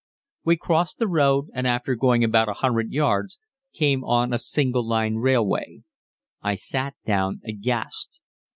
We crossed the road and after going about 100 yards came on a single line railway. I sat down aghast.